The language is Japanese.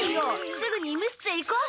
すぐに医務室へ行こう！